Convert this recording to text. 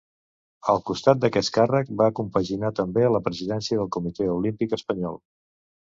Al costat d'aquest càrrec va compaginar també la presidència del Comitè Olímpic Espanyol.